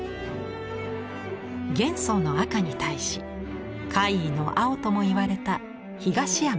「元宋の赤」に対し「魁夷の青」ともいわれた東山魁夷。